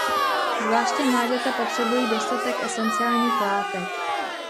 Zvláště mláďata potřebují dostatek esenciálních látek.